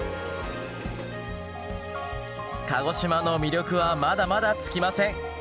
鹿児島の魅力はまだまだ尽きません。